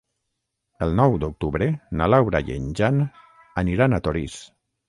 El nou d'octubre na Laura i en Jan aniran a Torís.